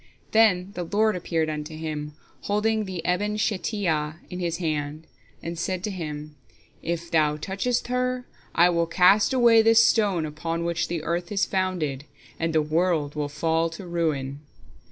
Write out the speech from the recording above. Then the Lord appeared unto him, holding the Eben Shetiyah in His hand, and said to him: "If thou touchest her, I will cast away this stone upon which the earth is founded, and the world will fall to ruin."